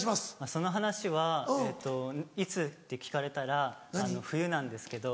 その話は「いつ？」って聞かれたら冬なんですけど。